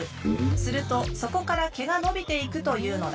するとそこから毛が伸びていくというのだ。